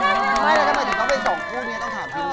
เรื่องนี้ต้องถามพี่แม่อ่ะ